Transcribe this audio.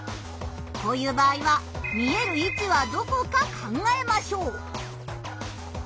こういう場合は見える位置はどこか考えましょう。